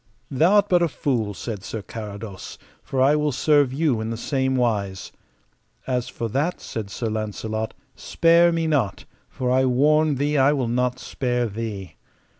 Thou art but a fool, said Sir Carados, for I will serve you in the same wise. As for that, said Sir Launcelot, spare me not, for I warn thee I will not spare thee.